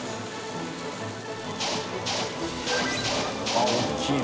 あっ大きいな。